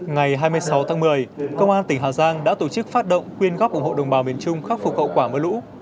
ngày hai mươi sáu tháng một mươi công an tỉnh hà giang đã tổ chức phát động quyên góp ủng hộ đồng bào miền trung khắc phục hậu quả mưa lũ